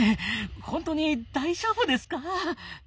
本当に大丈夫ですか？